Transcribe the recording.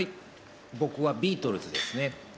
僕はビートルズですね。